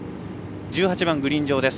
１８番グリーン上。